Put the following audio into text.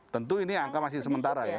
tentu ini angka masih sementara ya